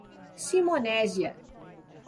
Simonésia